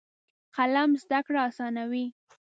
قلم زده کړه اسانوي.